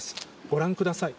ご覧ください。